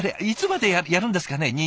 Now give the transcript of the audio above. いつまでやるんですかね？